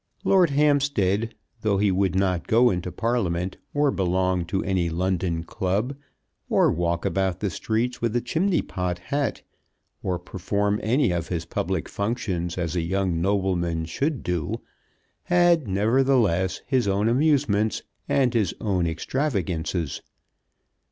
Lord Hampstead, though he would not go into Parliament or belong to any London Club, or walk about the streets with a chimney pot hat, or perform any of his public functions as a young nobleman should do, had, nevertheless, his own amusements and his own extravagances.